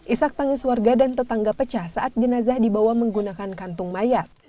isak tangis warga dan tetangga pecah saat jenazah dibawa menggunakan kantung mayat